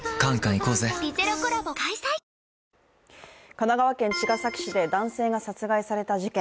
神奈川県茅ヶ崎市で男性が殺害された事件。